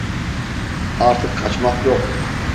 Artık kaçmak yok.